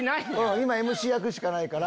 今ＭＣ役しかないから。